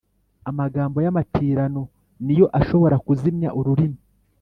amagambo y’amatirano ni yo ashobora kuzimya ururimi